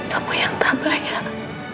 kamu yang tak payah